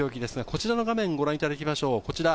こちらの画面をご覧いただきましょう。